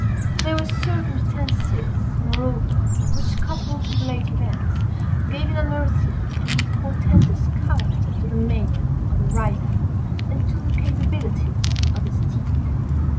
There were circumstances, moreover, which coupled with late events, gave an unearthly and portentous character to the mania of the rider, and to the capabilities of the steed.